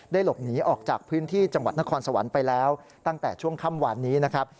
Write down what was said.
หลบหนีออกจากพื้นที่จังหวัดนครสวรรค์ไปแล้วตั้งแต่ช่วงค่ำวานนี้นะครับ